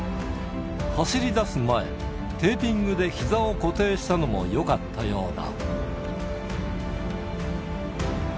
走りだす前、テーピングでひざを固定したのもよかったようだ。